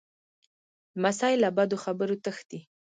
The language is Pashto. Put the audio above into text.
لمسی له بدو خبرو تښتي.